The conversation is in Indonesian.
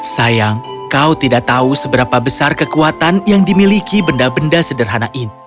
sayang kau tidak tahu seberapa besar kekuatan yang dimiliki benda benda sederhana ini